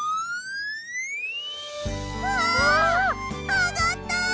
あがった！